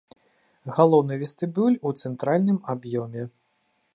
Галоўны вестыбюль у цэнтральным аб'ёме.